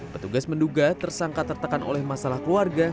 petugas menduga tersangka tertekan oleh masalah keluarga